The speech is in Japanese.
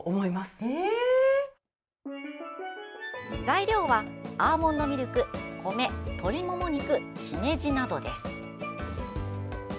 材料はアーモンドミルク米、鶏もも肉、しめじなどです。